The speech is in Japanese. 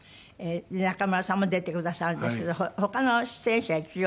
中村さんも出てくださるんですけど他の出演者一応。